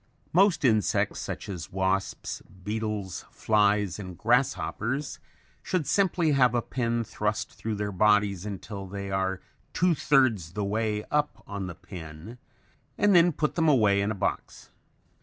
Most insects such as wasps, beetles, flies and grasshoppers should simply have a pin thrust through their bodies until they are two thirds the way up on the pin and then put them away in a box.